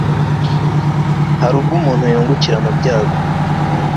hari ubwo umuntu yungukira mu byago